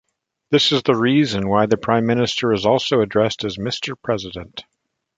This is the reason why the prime minister is also addressed as "Mister President".